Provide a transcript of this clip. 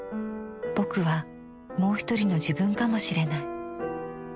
「『ぼく』はもうひとりの自分かもしれない。